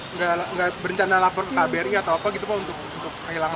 nggak berencana lapor ke kbri atau apa gitu pak untuk kehilangan